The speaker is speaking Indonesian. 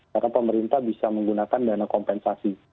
karena pemerintah bisa menggunakan dana kompensasi